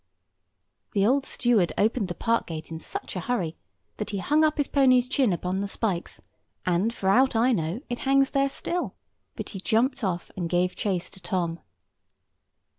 The old steward opened the park gate in such a hurry, that he hung up his pony's chin upon the spikes, and, for aught I know, it hangs there still; but he jumped off, and gave chase to Tom.